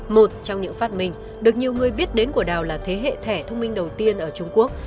một trong những phát minh được nhiều người biết đến của đào là thế hệ thẻ thông minh đầu tiên ở trung quốc